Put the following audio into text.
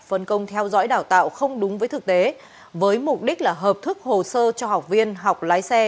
phân công theo dõi đào tạo không đúng với thực tế với mục đích là hợp thức hồ sơ cho học viên học lái xe